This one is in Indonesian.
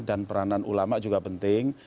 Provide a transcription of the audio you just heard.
dan peranan ulama juga penting